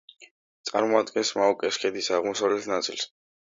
წარმოადგენს მაოკეს ქედის აღმოსავლეთ ნაწილს.